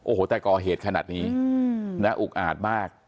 โอ้โหแต่ก่อเหตุขนาดนี้นะอุกอาจมาก